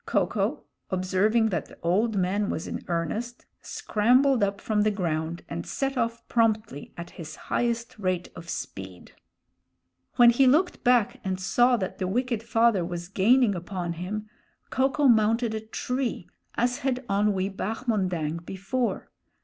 Ko ko, observing that the old man was in earnest, scrambled up from the ground and set off promptly at his highest rate of speed. When he looked back and saw that the wicked father was gaining upon him, Ko ko mounted a tree, as had Onwee Bahmondang before.